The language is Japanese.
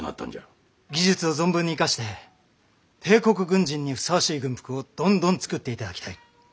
技術を存分に生かして帝国軍人にふさわしい軍服をどんどん作っていただきたい。